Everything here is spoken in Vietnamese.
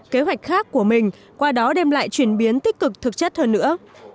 kế hoạch khác của mình qua đó đem lại chuyển biến tích cực thực chất hơn nữa